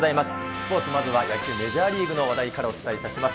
スポーツ、まずは野球、メジャーリーグの話題からお伝えします。